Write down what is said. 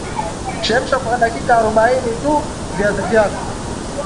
Chemsha kwa dakika arobaini tu viazi vyako